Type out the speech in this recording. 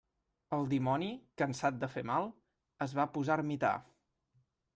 El dimoni, cansat de fer mal, es va posar ermità.